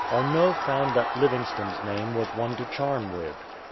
Arnot found that Livingstone's name was one to charm with.